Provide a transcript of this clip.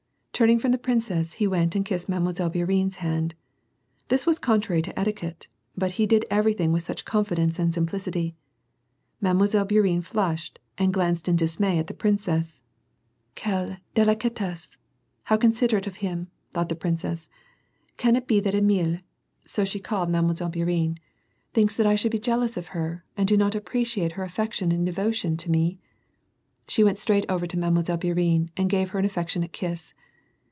Turning from the princess, he went and kissed I^Ille. Bour ienne's hand. This was contrary to etiquette, but ho did every thing with such confidence and simplicity ! Mile. Hourienne flushed, and glanced in dismay at the princess. "Quelle delicatexse! how considerate of him," thought the princess, " f\in it l.>e that Amelie (so she called Mile. Bouri . VOL, I.— 18. 274 ^'^^^ AND PEACE. enue) thinks that I should be jealous of her, and do not appre ciate her affection and devotion to me ?" She went straight over to Mile. Bourienne, and gave her an affectionate kiss.